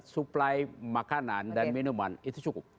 suplai makanan dan minuman itu cukup